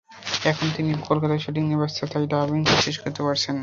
এখন তিনি কলকাতায় শুটিং নিয়ে ব্যস্ত, তাই ডাবিংটা শেষ করতে পারছেন না।